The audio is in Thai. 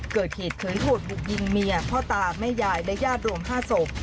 เกิดเหตุเขินโหดบุกยิงเมียพ่อตาแม่ยายและญาติรวม๕ศพ